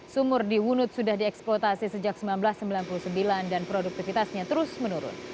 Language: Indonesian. sumur di wunut sudah dieksploitasi sejak seribu sembilan ratus sembilan puluh sembilan dan produktivitasnya terus menurun